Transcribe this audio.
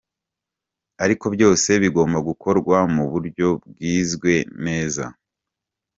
Ariko byose bigomba gukorwa mu buryo bwizwe neza.